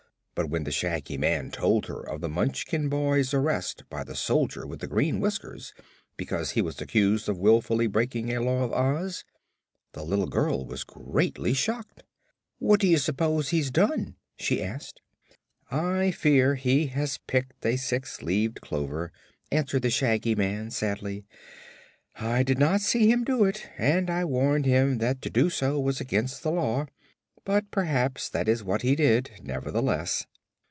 But when the Shaggy Man told her of the Munchkin boy's arrest by the Soldier with the Green Whiskers, because he was accused of wilfully breaking a Law of Oz, the little girl was greatly shocked. "What do you s'pose he's done?" she asked. "I fear he has picked a six leaved clover," answered the Shaggy Man, sadly. "I did not see him do it, and I warned him that to do so was against the Law; but perhaps that is what he did, nevertheless."